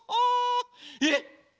えっ